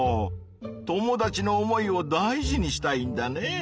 友達の思いを大事にしたいんだね。